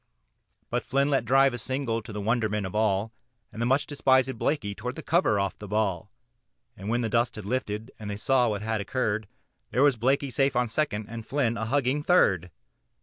But Flynn let drive a single to the wonderment of all, And the much despisèd Blakey tore the cover off the ball, And when the dust had lifted and they saw what had occurred, There was Blakey safe on second, and Flynn a hugging third.